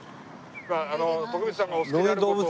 徳光さんがお好きである事を。